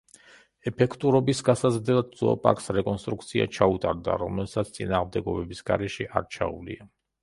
ეფექტურობის გასაზრდელად ზოოპარკს რეკონსტრუქცია ჩაუტარდა, რომელსაც წინააღმდეგობების გარეშე არ ჩაუვლია.